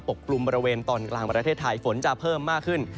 กลุ่มบริเวณตอนกลางประเทศไทยฝนจะเพิ่มมากขึ้น